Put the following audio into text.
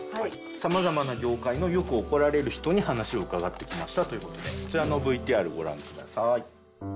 様々な業界のよく怒られる人に話を伺ってきましたという事でこちらのＶＴＲをご覧ください。